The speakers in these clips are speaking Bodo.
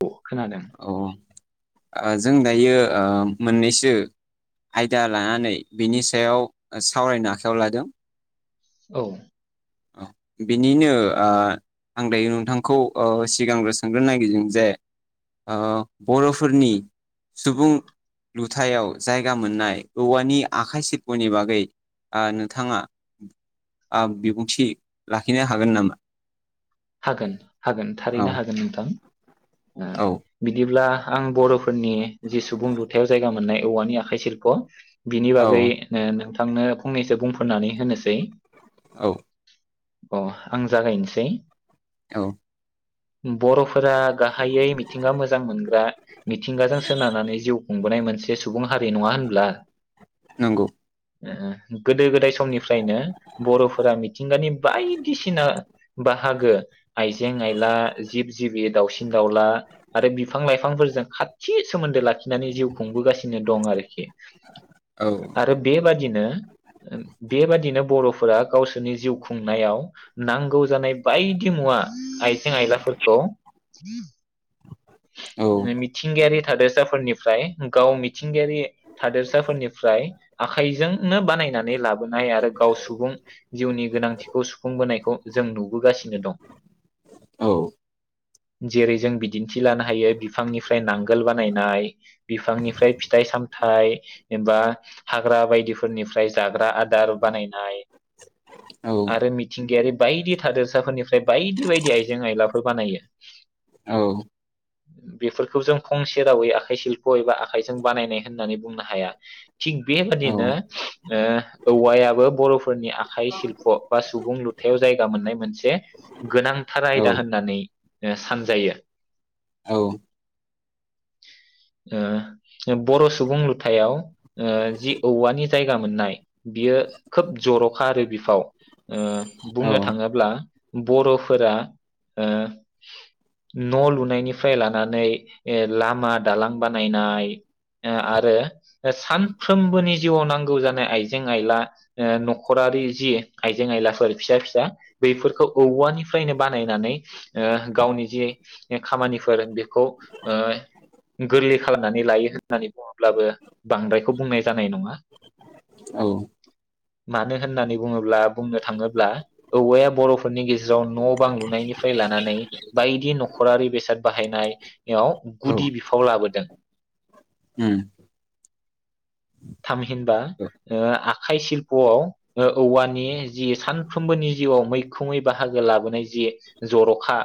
अ औ जों दायो मोननैसो आयदा लानानै बिनि सायाव सावरायनो आखायाव लादों। औ। बिनिनो आं दायो नोंथांखौ सिगांग्रो सोंग्रो नागिरदों जे ओ बर'फोरनि सुबुं लुथायाव जायगा मोननाय औवानि आखाइ सिल्प'नि बागै नोंथाङा बिबुंथि लाखिनो हागोन नामा? हागोन हागोन औ थारैनो हागोन नोंथां। ओ औ बिदिब्ला आं बर'फोरनि जि सुबुं लुथायाव जायगा मोननाय औवानि आखाइ सिल्प' बिनि बागै औ ओ नोंथां नोंथांनो फंनैसो बुंफोरनानै होनोसै। औ। अ आं जागायनोसै। औ। बर'फोरा गाहायै मिथिंगा मोजां मोनग्रा मिथिंगाजों सोनारनानै जिउ खुंबोनाय मो से सुबुं हारि नङा होनब्ला। नंगौ ओ ओ गोदो-गोदाय समनिफ्रायनो बर'फोरा मिथिंगानि बायदिसिना बा हागो आइजें-आइला, जिब जिबि, दाउसिन-दाउला आरो बिफां-लाइफांफोरजों खाथि सोमोन्दो लाखि नानै जिउ खुंबोगासिनो दं आरोखि औ आरो बेबादि दिनो बेबादिनो बर'फोरा गावसोरनि जिउ खुंनायाव नांगौ जानाय बायदि मुवा। आयजें-आयला फोरखौ। [inaudible] औ ओ मिथिंगायारि। थादेरसाफोरनिफ्राय गाव मिथिंगायारि थादेरसाफोरनिफ्राय आखाइजोंनो बानायनानै लाबोनाय आरो गाव सुबुं जिउनि गोनांथिखौ सुफुंबोनायखौ जों नुबोगासिनो दं। औ। जेरै जों बिदि थि लानो हायो बिफांनिफ्राय नांगोल बानायनाय, बिफांनिफ्राय फिथाइ-सामथाइ एबा हाग्रा बायदिफोरनिफ्राय जाग्रा आदार बानायनाय। औ आरो मिथिंगायारि। बायदि थादेरसाफोरनिफ्राय बायदि बायदि आइजें- आइलाफोर बानायो। औ बेफोरखौ जों फंसे रावै आखाइ सिल्प' एबा आखाइजों बानायनाय होननानै बुंनो हाया। थिग औ बेबादिनो ओ औवायाबो बर'फोरनि आखाइ सिल्प' बा सुबुं लुथायाव जायगा मोननाय मोनसे गोनांथार औ आयदा होननानै ओ सानजायो। औ [inaudible] ओ बर' सुबुं लुथायाव ओ जि औवानि जायगा मोननाय बियो खोब जर'खा आरो बिफाव ओ बुंनो औ थाङोब्ला बर'फोरा ओ न' लुनाय निफ्राय लानानै ओ लामा दालां बानायनाय ओ आरो सानफ्रोमबोनि जिउआव नांगौ जानाय आइजें- आइला ओ न'खरारि जि आइजें-आइलाफोर फिसा फिसा बैफोरखौ औवानिफ्रायनो बानायनानै ओ गावनि जि खामानिफोर बेखौ ओ गोरलै खालामनानै लायो होननानै बुङोब्लाबो बांद्रायखौ बुंनाय जानाय नङा। औ। मानो होननानै बुङोब्ला बुंनो थाङोब्ला औवाया बर'फोरनि गेजेराव न' बां लुनायनिफ्राय लानानै बायदि न'ख रारि बेसाद बाहायनायाव औ गुदि बिफाव लाबोदों। उम थामहिनबा औ आखाइ सिल्प'आव ओ औवानि जि सानफ्रोमबोनि जिउआव मैखोमै बाहागो लाबोनाय जि जर'खा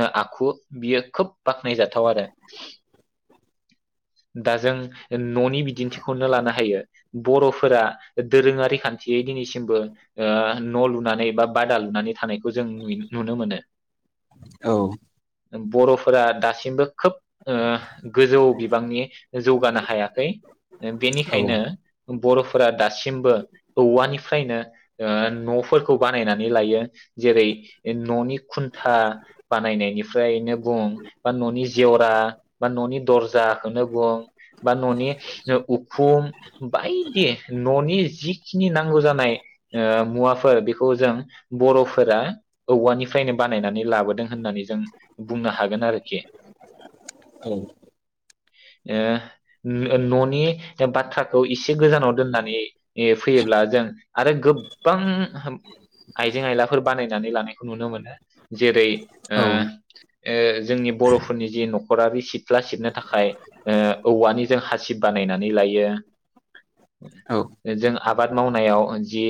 ओ आखु बियो खोब बाख्नायजाथाव आरो दा जों न'नि बिदिन्थिखौनो लानो हायो बर'फोरा दोरोङारि खान्थियै दिनैसिमबो ओ न' लुनानै बा बादा लुनानै थानायखौ जों नुयो नुनो मोनो। औ। बर'फोरा दासिमबो खोब ओ गोजौ बिबांनि जौगानो हायाखै। ओ औ बेनिखायनो। बर'फोरा दासिमबो औवानिफ्रायनो ओ न'फोरखौ बानायनानै लायो जेरै न'नि खुन्था बानायनायनि फ्रायनो बुं बा न'नि जेवरा बा न'नि दरजाखौनो बुं बा न'नि ओ उखुम बायदि न'नि जिखिनि नांगौ जानाय ओ मुवाफोर बेखौ जों बर'फोरा औवानिफ्रायनो बानायनानै लाबोदों होननानै जों बुंनो हागोन आरोखि। औ। ओ न'-न'नि बाथ्राखौ एसे गोजानाव दोननानै फैयोब्ला जों आरो गोबां आइजें आयलाफोर बानायनानै लानायखौ नुनो मोनो जेरै ओ ओ जोंनि बर'फोरनि जि न'खरारि सिथ्ला सिबनो थाखाय ओ औवानि जों हासिब बानायनानै लायो। औ जों आबाद मावनायाव जि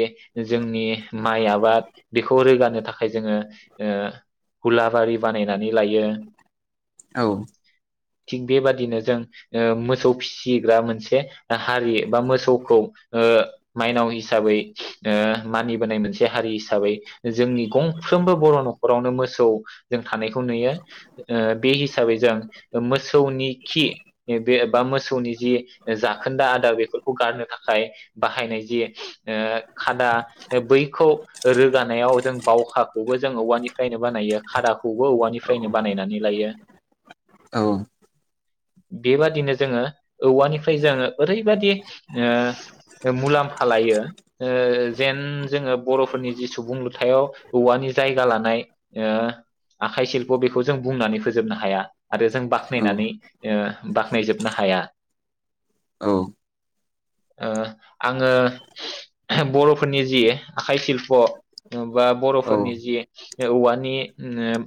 जोंनि माइ आबाद बेखौ रोगानो थाखाय जोङो ओ हुलाबारि बानायनानै लायो। औ। थिग बेबादिनो जों ओ मोसौ फिसिग्रा मोनसे हारि बा मोसौखौ ओ माइनाव हिसाबै ओ मानिबोनाय मोनसे हारि हिसाबै जोंनि गंफ्रोमबो बर' न'खरावनो मोसौ जों थानायखौ नुयो ओ बे हिसाबै जों मोसौनि खि बे बा मोसौनि जि जाखोन्दा आदार बेफोरखौ गारनो थाखाय बाहायनाय जि ओ खादा बैखौ रोगानायाव जों बावखाखौबो जों औवानिफ्रायनो बानायो खादाखौ। खौबो औवानिफ्रायनो बानायनानै लायो। औ। बेबादिनो जोङो औवानिफ्राय जोङो ओरैबदि ओ मुलाम्फा लायो ओ जेन जोङो बर'फोरनि जि सुबुं लुथायाव औवानि जायगा लानाय आखाइ सिल्प' बेखौ जों बुंनानै फोजोबनो हाया आरो जों बाख्नायनानै बाख्नायजोबनो हाया। ओ आङो बर'फोरनि जि आखाइ सिल्प' बा बर'फोरनि जि औवानि ओ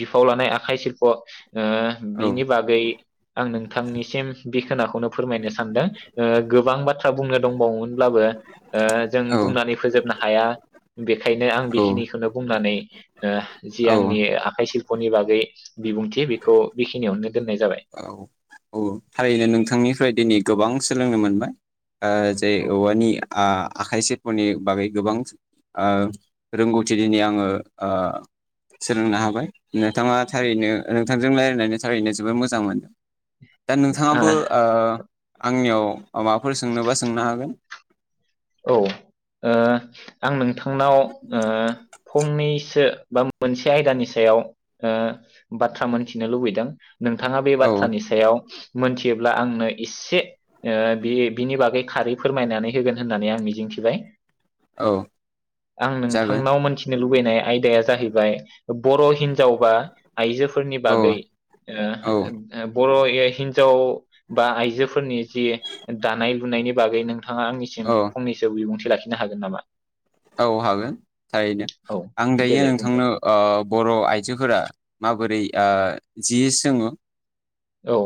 बिफाव लानाय आखाइ सिलफ' ओ बिनि बागै आं नोंथांनिसिम बे खोनाखौनो फोरमायनो सानदों ओ गोबां बाथ्रा बुंनो दंबावोमोनब्लाबो ओ जों बुंनानै फोजोबनो हा हाया बे खायनो आं औ बेखिनिखौनो बुंनानै ओ जि औ आंनि आखाइ सिल्पनि बागै बिबुंथि बेखौ बेखिनियावनो दोननाय जाबाय औ थारैनो नोंथांनिफ्राय दिनै गोबां सोलोंनो मोनबाय ओ जे औवानि आखाइ सिल्पनि बागै गोबां ओ रोंगौथि दिनै आङो ओ सोलोंनो हाबाय नोंथाङा थारैनो नोंथांजों रायजलायनानै थारैनो जोबोर मोजां मोन दा नोंथाङाबो औ आ आंनियाव अ माबाफोर सोंनोबा सोंनो हागोन औ ओ आं नोंथांनाव ओ फंनैसो बा मोनसे आयदानि सायाव ओ बाथ्रा मोनथिनो लुबैदों नोंथाङा बे औ बाथ्रानि सायाव मोनथियोब्ला आंनो एसे ओ बे बिनि बागै खारै फोरमायनानै होगोन होननानै आं मिजिंथिबाय औ आं जागोन नोंथांनाव मोनथिनो लुबैनाया आयदाया जाहैबाय बर' हिनजाव बा आइजोफोरनि औ बागै ओ औ ओ बर' हि- हिनजाव बा आइजोफोरनि जि दानाय लुनायनि बागै नोंथाङा आंनिसिम औ फंनैसो बिबुंथि लाखिनो हागोन नामा? औ हागोन थारैनो। औ आं दायो देलाय बुंलाय नोंथांनो ओ बर' आइजोफोरा माबोरै दा जि सोङो औ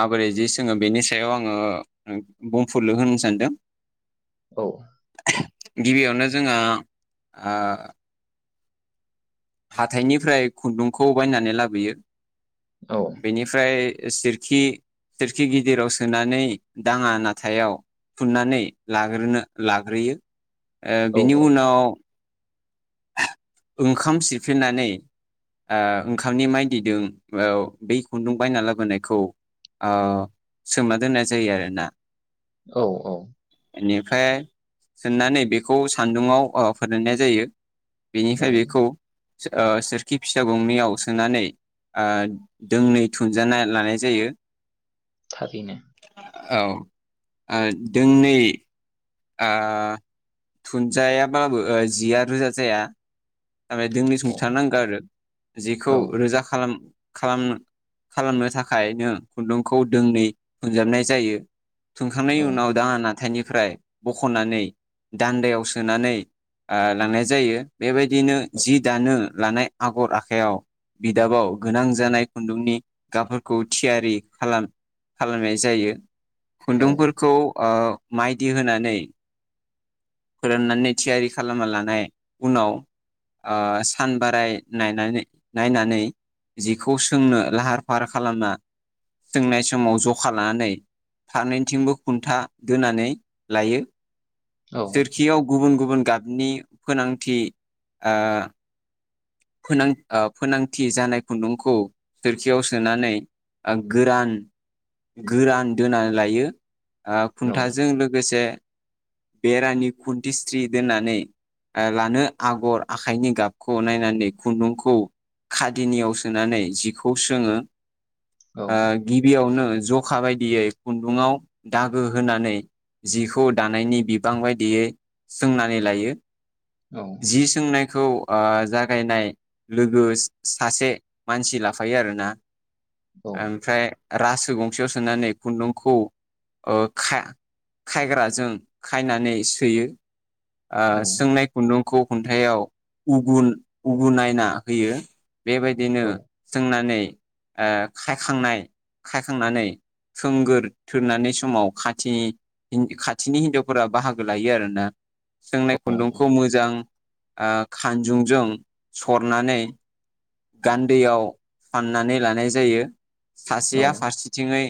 माबोरै जि सोङो बेनि सायाव आङो बुंफुरलु होनो सानदों औ गिबियावनो जोंहा आ हाथाइनिफ्राय खुन्दुंखौ बायनानै लाबोयो औ बेनिफ्राय सोरखि सोरखि गिदिराव सोनानै दाङा नाथायाव फुुननानै लाग्रोनो लाग्रोयो। ओ औ बिनि उनाव ओंखाम सिफ्लेनानै ओ ओंखामनि माइदिदों बै खुन्दुं बायना लाबोनायखौ ओ सोमाना दोननाय जायो आरोना। औ औ बेनिफ्राय सोनानै बेखौ सान्दुंङाव फोरदायनाय जायो औ बेनिफ्राय बेखौ ओ सोरखि फिसा गंनैयाव सोनानै ओ दोंनै थुनजाना लानाय जायो। थाबिनो औ ओ दोंनै आ थुनजायाबाबो जिया रोजा जाया थारमे दोंननि औ समथारनांगौ आरो जेखौ औ रोजा खालाम खालाम खालामनो थाखाय नो खुन्दुंखौ दोंनै फुंजाबनाय जायो औ सोंखांनायनि उनाव दा नाथायनि फ्राय बखनानै दान्दायाव सोनानै ओ लानाय जायो। बेबाय बिदिनो जि दानो लानाय आगर आखाइयाव बिदाबाव गोनां जानाय खुन्दुंनि गाबफोरखौ थियारि खालाम खालामनाय जायो औ खुन्दुंफोरखौ ओ माइदि होनानै फोराननानै थियारि खालामना लानाय उनाव ओ सान बाराय नायनानै नायनानै जिखौ सोंनो लाहार फाहार खालामना सोंनाय समाव जखा लानानै फारनैथिंबो खुन्था दोनानै लायो औ सोरखियाव गुबुन गुबुन गाब नि गोनांथि आ फोनां फोनांथि जानाय खुन्दुंखौ सोरखियाव सोनानै गोरान गोरान दोना लायो आ औ खुन्थाजों लोगोसे बेरानि खुन्थिस्रि दोननानै आ लानो आगर आखाइनि गाबखौ नायनानै खुन्दुंखौ खादिनियाव सोनानै जिखौ सोङो ओ औ गिबियावनो जखा बायदियै खुन्दुङाव दागो होनानै जिखौ दानायनि बिबां बायदियै सोंनानै लायो औ जि सोंनायखौ आ जागायनाय लोगो सासे मानसि लाफायो आरोना। औ ओमफ्राय रासो गंसेयाव सोनानै खुन्दुंखौ ओ खा-खायग्राजों खायनानै सोयो ओ उम, सोंनाय नोंखौ खुन्थायाव उगुन उगु नायना होयो बेबायदिनो औ सोंनानै ओ खायखांनाय खायखांनानै थोंगोर थोरनानै समाव खाथिनि खाथिनि हिन्जावफोरा बाहागो लायो आरोना सोंनाय खुन्दुं मोजां आ खानजुंजों सरनानै गान्दैयाव फाननानै लानाय जायो सासेया फारसेथिङै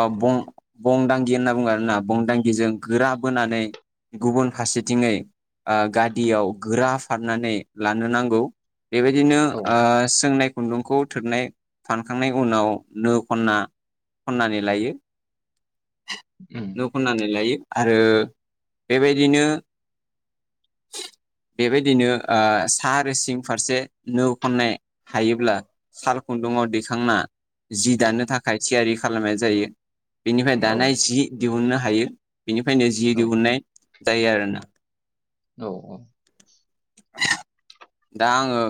आ बं बंदांगि होनना बुङो आरोना बंदांगिजों गोरा बोनानै गुबुन फारसेथिङै गादियाव गोरा फारनानै लानो नांगौ बेबायदिनो आ सोंनाय खुन्दुंखौ थोरनाय फानखांनायनि उनाव नो खना खननानै लायो न' खनानै लायो आरो बेबायदिनो बेबायदिनो आ सा आरो सिं फारसे नो खननाय हायोब्ला साल खुन्दुङाव दैखांना जि दानो थाखाय थियारि खालामनाय जायो बेनिफ्राय औ दानाय जि दिहुननो हायो बेनिफ्रायनो जि औ दिहुननाय जायो आरो ना औ औ। [unintelligible] दा आङो ओ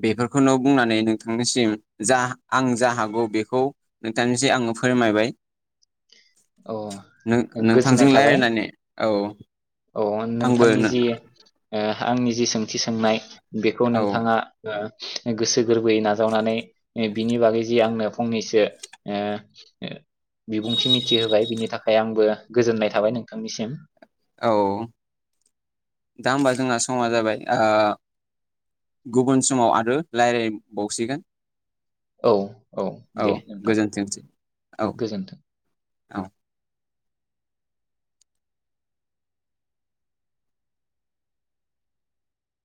बेफोरखौनो बुंनानै नोंथांनिसिम जा आं जा हागौ बेखौ नोंथांनिसिम आङो फोरमायबाय। नों औ गोजोननाय नोंथांजों थाबाय राय्लायनानै औ। औ आंबो नोंथांनि जि ओ आंनि जि सोंथि सोंनाय बेखौ औ नोंथाङा ओ गोसो गोरबोयै नाजावनानै बिनि बागै जि आंनो फंनैसो ओ बिबुंथि मिथि मिथि होबाय बिनि थाखाय आंबो गोजोननाय थाबाय नोंथांनिसिम औ दा होमबा जोंना समा जाबाय ओ गुबुन समाव आरो रायज्लायबावसिगोन। औ औ दे नोंथां गोजोनथोंसै औ गोजोनथों। औ